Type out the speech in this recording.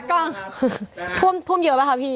ก็ท่วมเยอะป่ะคะพี่